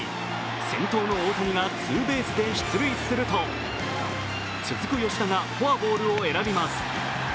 先頭の大谷がツーベースで出塁すると続く吉田がフォアボールを選びます。